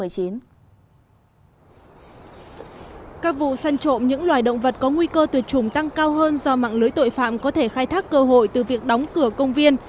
các vụ săn trộm những loài động vật có nguy cơ tuyệt chủng tăng cao hơn do mạng lưới tội phạm có thể khai thác cơ hội từ việc đóng cửa công viên